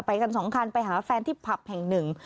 กันสองคันไปหาแฟนที่ผับแห่งหนึ่ง